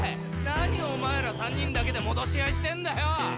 何お前ら３人だけで戻し合いしてんだよ！